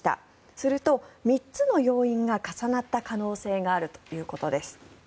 すると、３つの要因が重なった可能性があるということです。